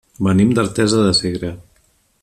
Venim d'Artesa de Segre.